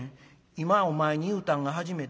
今お前に言うたんが初めて。